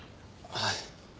はい。